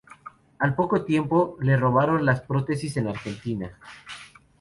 Al poco tiempo le robaron las prótesis en Argentina.